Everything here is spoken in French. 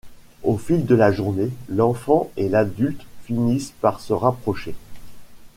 Au fil de la journée, l'enfant et l'adulte finissent par se rapprocher...